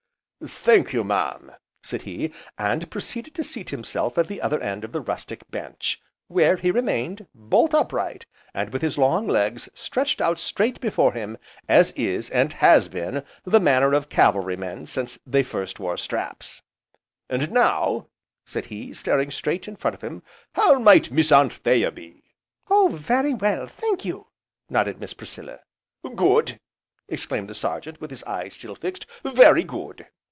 "Thank you mam," said he, and proceeded to seat himself at the other end of the rustic bench, where he remained, bolt upright, and with his long legs stretched out straight before him, as is, and has been, the manner of cavalrymen since they first wore straps. "And now," said he, staring straight in front of him, "how might Miss Anthea be?" "Oh, very well, thank you," nodded Miss Priscilla. "Good!" exclaimed the Sergeant, with his eyes still fixed, "very good!"